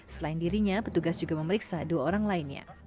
selain dirinya petugas juga memeriksa dua orang lainnya